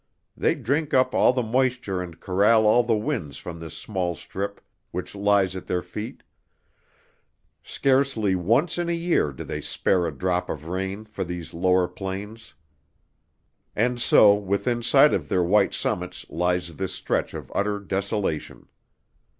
They drink up all the moisture and corral all the winds from this small strip which lies at their feet. Scarcely once in a year do they spare a drop of rain for these lower planes. And so within sight of their white summits lies this stretch of utter desolation.